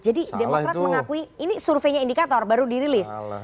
jadi demokrat mengakui ini surveinya indikator baru dirilis